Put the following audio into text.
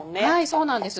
そうなんです。